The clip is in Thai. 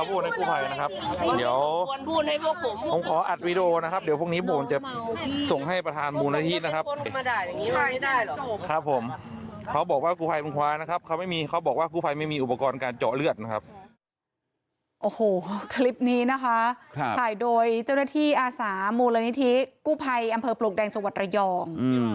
โอ้โหคลิปนี้นะคะถ่ายโดยเจ้าหน้าที่อาสามูลนิธิกู้ภัยอำเภอปลวกแดงจังหวัดระยอง